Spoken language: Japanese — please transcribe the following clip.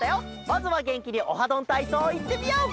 まずはげんきに「オハどんたいそう」いってみよう！